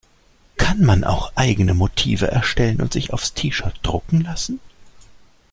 Kann man auch eigene Motive erstellen und sich aufs T-Shirt drucken lassen?